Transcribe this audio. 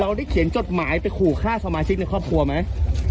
ได้เขียนจดหมายไปขู่ฆ่าสมาชิกในครอบครัวไหม